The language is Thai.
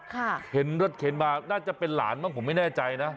เห็นรถเข็นมาน่าจะเป็นหลานบ้างผมไม่แน่ใจนะ